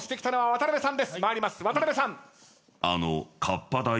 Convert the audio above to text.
渡辺さん。